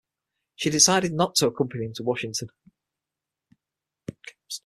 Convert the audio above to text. She decided not to accompany him to Washington.